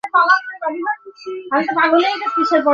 কুমিল্লা জেলার লালমাই পাহাড়ের নামে এ উপজেলার নামকরণ করা হয়েছে।